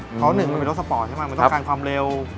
เพราะหนึ่งมันเป็นรถสปอร์ตใช่ไหมมันต้องการความเร็ว